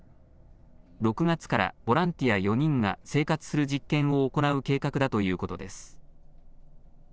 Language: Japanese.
６月からボランティア４人が生活する実験を行う計画だということです。